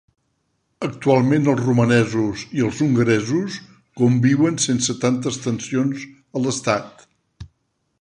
Actualment, els romanesos i els hongaresos conviuen sense tantes tensions a l'estat.